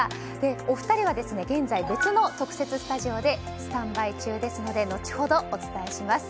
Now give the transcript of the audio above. お二人は現在別の特設スタジオでスタンバイ中ですので、後ほどお伝えします。